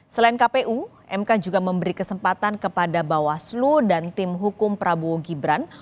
selain kpu mk juga memberi kesempatan kepada bawaslu dan tim hukum prabowo gibran